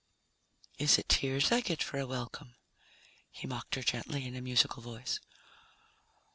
"Is it tears I get for a welcome?" he mocked her gently in a musical voice.